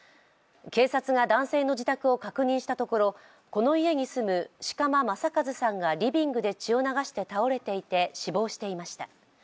警察が男性の自宅を確認したところこの家に住む志鎌正一さんがリビングで血を流して倒れていて死亡していました。